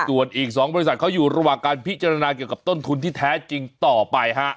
ส่วนอีก๒บริษัทเขาอยู่ระหว่างการพิจารณาเกี่ยวกับต้นทุนที่แท้จริงต่อไปฮะ